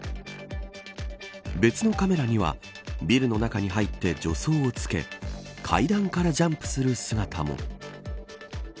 別のカメラにはビルの中に入って助走をつけ階段からジャンプする姿も。